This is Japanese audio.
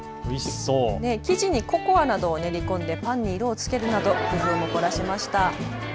生地にココアなどを練り込んでパンに色をつけるなど工夫も凝らしました。